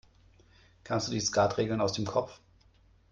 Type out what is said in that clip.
Kannst du die Skatregeln aus dem Kopf?